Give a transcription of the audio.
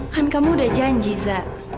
kan kamu udah janji za